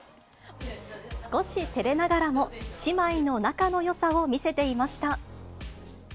少してれながらも姉妹の仲のよさを見せていました。